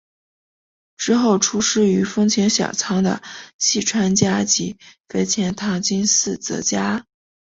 之后出仕于丰前小仓的细川家及肥前唐津寺泽家。